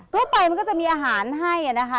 ทั่วไปมันก็จะมีอาหารให้นะคะ